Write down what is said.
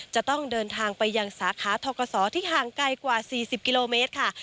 จะต้องเดินทางไปยังสาขาทกศที่ห่างไกลกว่า๔๐กิโลเมตรค่ะ